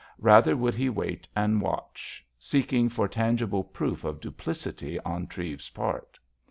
Rather would he wait and watch, seeking for tangible proof of duplicity on Treves's part.